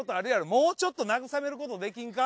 もうちょっと慰めることできんか？